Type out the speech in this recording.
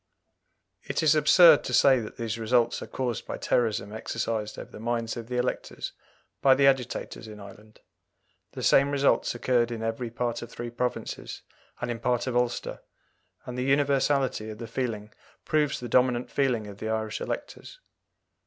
It is absurd to say that these results are caused by terrorism exercised over the minds of the electors by the agitators in Ireland; the same results occurred in every part of three provinces, and in part of Ulster, and the universality of the feeling proves the dominant feeling of the Irish electors.